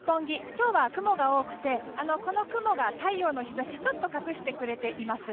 今日は雲が多くてこの雲が太陽の日差しをちょっと隠してくれています。